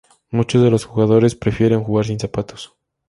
Muchos de los jugadores prefieren jugar sin zapatos.